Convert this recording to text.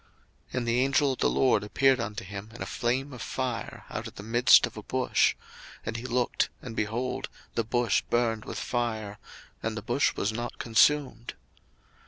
02:003:002 And the angel of the LORD appeared unto him in a flame of fire out of the midst of a bush: and he looked, and, behold, the bush burned with fire, and the bush was not consumed.